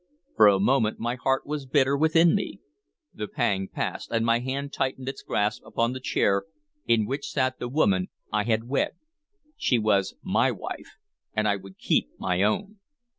For a moment my heart was bitter within me. The pang passed, and my hand tightened its grasp upon the chair in which sat the woman I had wed. She was my wife, and I would keep my own.